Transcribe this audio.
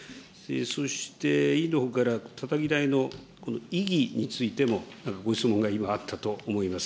そして委員のほうからたたき台の意義についても、ご質問が今、あったと思います。